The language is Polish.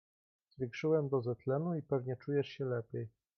"Zwiększyłem dozę tlenu i pewnie czujesz się lepiej."